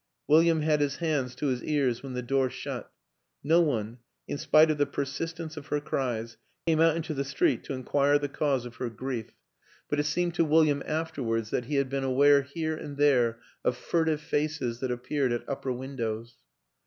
William had his hands to his cars when the door shut. No one, in spite of the persistence of her cries, came out into the street to inquire the cause of her grief; but it seemed to WILLIAM AN ENGLISHMAN 105 William afterwards that he had been aware here and there of furtive faces that appeared at upper windows.